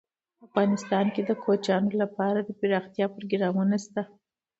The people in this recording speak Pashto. افغانستان کې د کوچیان لپاره دپرمختیا پروګرامونه شته.